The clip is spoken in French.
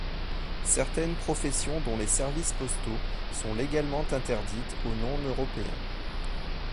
Certaines professions dont les services postaux sont légalement interdites aux non-européens.